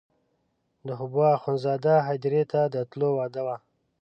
د حبوا اخندزاده هدیرې ته د تلو وعده وه.